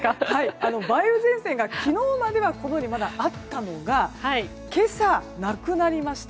梅雨前線が昨日まではあったのが今朝、なくなりました。